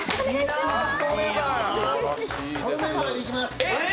このメンバーでいきます。